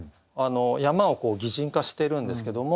山を擬人化してるんですけども。